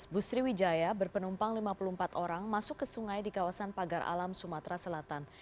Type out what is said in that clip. bus sriwijaya berpenumpang lima puluh empat orang masuk ke sungai di kawasan pagar alam sumatera selatan